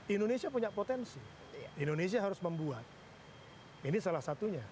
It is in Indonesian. indonesia punya potensi indonesia harus membuat ini salah satunya